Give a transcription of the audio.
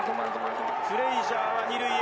フレイジャーは２塁へ。